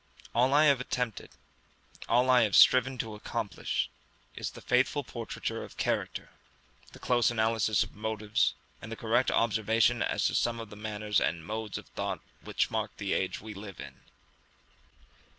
All I have attempted all I have striven to accomplish is the faithful portraiture of character, the close analysis of motives, and correct observation as to some of the manners and modes of thought which mark the age we live in.